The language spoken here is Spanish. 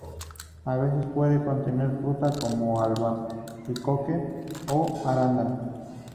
A veces puede contener fruta, como albaricoque o arándano.